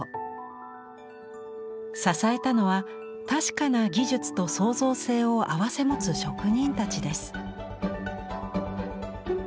支えたのは確かな技術と創造性を併せ持つ職人たちです。